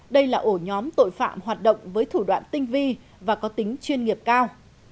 đây là ổ nhóm tội phạm hoạt động với thủ đoạn tinh vi và có tính chuyên nghiệp cao